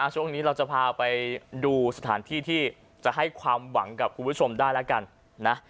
ช่วงนี้เราจะพาไปดูสถานที่ที่จะให้ความหวังกับคุณผู้ชมได้แล้วกันนะ